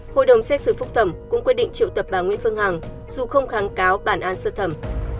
hội đồng xét xử phúc thẩm cũng quyết định triệu tập bà nguyễn phương hằng dù không kháng cáo bản án sơ thẩm